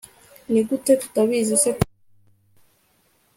nigute tutabizi se kandi duhorana